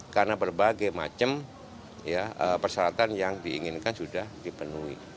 karena berbagai macam persyaratan yang diinginkan sudah dipenuhi